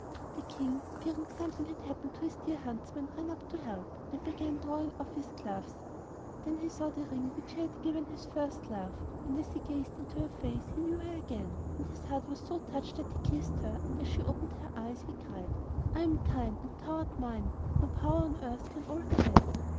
The King, fearing something had happened to his dear huntsman, ran up to help, and began drawing off his gloves. Then he saw the ring which he had given to his first love, and as he gazed into her face he knew her again, and his heart was so touched that he kissed her, and as she opened her eyes, he cried: 'I am thine and thou art mine, and no power on earth can alter that.